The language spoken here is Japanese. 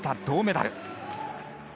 銅メダル。